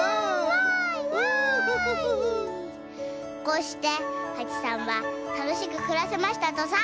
こうしてはちさんはたのしくくらせましたとさ。